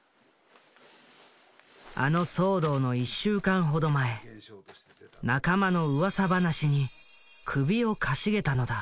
あの騒動の１週間ほど前仲間のうわさ話に首をかしげたのだ。